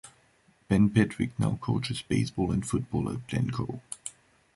Ben Petrick now coaches baseball and football at Glencoe.